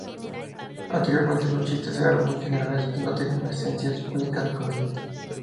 Anteriormente los chistes eran muy generales y no tenían una esencia única del comediante.